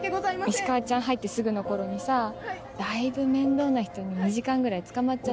石川ちゃん入ってすぐの頃にさだいぶ面倒な人に２時間ぐらいつかまっちゃってて。